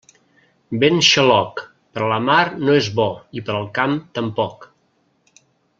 Vent xaloc, per a la mar no és bo i per al camp tampoc.